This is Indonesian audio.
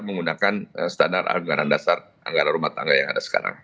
menggunakan standar anggaran dasar anggaran rumah tangga yang ada sekarang